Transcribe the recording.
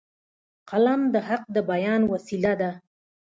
قلم د حق د بیان وسیله ده